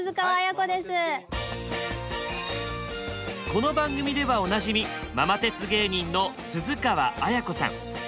この番組ではおなじみママ鉄芸人の鈴川絢子さん。